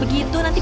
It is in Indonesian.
bukankah kau salah